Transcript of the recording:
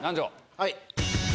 はい。